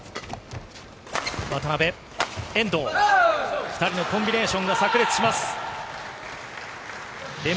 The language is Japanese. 渡辺・遠藤、２人のコンビネーションがさく裂します。